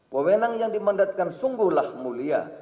pemenang yang dimandatkan sungguhlah mulia